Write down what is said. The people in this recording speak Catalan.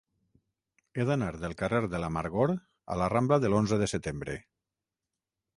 He d'anar del carrer de l'Amargor a la rambla de l'Onze de Setembre.